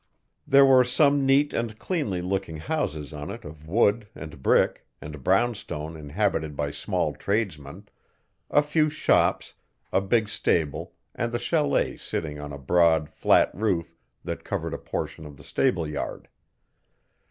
There were some neat and cleanly looking houses on it of wood, and brick, and brown stone inhabited by small tradesmen; a few shops, a big stable and the chalet sitting on a broad, flat roof that covered a portion of the stableyard.